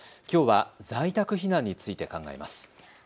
きょうは在宅避難について考えます。